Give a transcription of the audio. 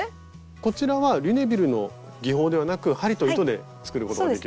こちらはリュネビルの技法ではなく針と糸で作ることができる。